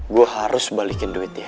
gue harus balikin duit ya